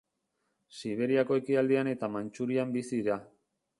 Siberiako ekialdean eta Mantxurian bizi dira.